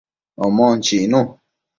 Omon chicnu